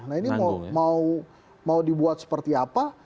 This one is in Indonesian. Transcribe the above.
nah ini mau dibuat seperti apa